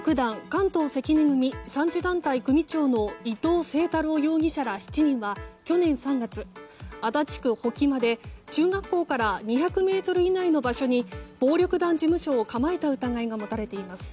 関東関根組３次団体組長の伊藤征太郎容疑者ら７人は去年３月足立区保木間で中学校から２００ｍ以内の場所に暴力団事務所を構えた疑いが持たれています。